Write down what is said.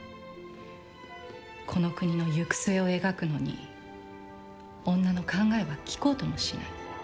この国の行く末を描くのに女の考えは聞こうともしない。